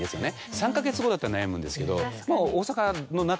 ３か月後だったら悩むんですけどもう。